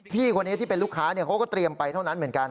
พี่คนนี้ที่เป็นลูกค้าเขาก็เตรียมไปเท่านั้นเหมือนกัน